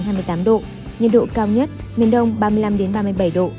nhiệt độ cao nhất miền đông ba mươi năm ba mươi bảy độ